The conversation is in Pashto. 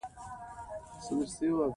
په افغانستان کې رسوب شتون لري.